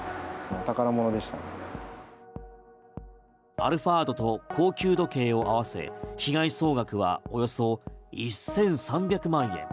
アルファードと高級時計を合わせ被害総額はおよそ１３００万円。